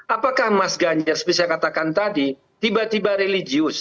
apakah mas ganjar seperti saya katakan tadi tiba tiba religius